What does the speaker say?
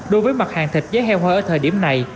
đối với mặt hàng thịt giá heo hơi ở thời điểm này